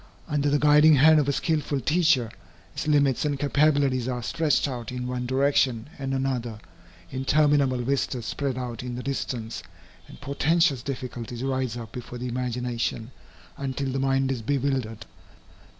Under the guiding hand of a skilful teacher, its limits and capabilities are stretched out in one direction and another, interminable vistas spread out in the distance, and portentous difficulties rise up before the imagination, until the mind is bewildered.